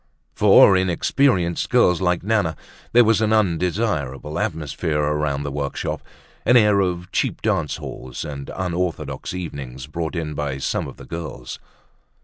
For inexperienced girls like Nana, there was an undesirable atmosphere around the workshop, an air of cheap dance halls and unorthodox evenings brought in by some of the girls.